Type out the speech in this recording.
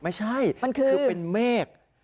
ไม่ใช่คือเป็นเมฆ